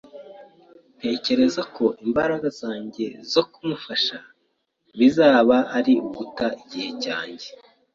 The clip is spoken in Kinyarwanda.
Ntekereza ko imbaraga zanjye zose zo kumufasha bizaba ari uguta igihe cyanjye.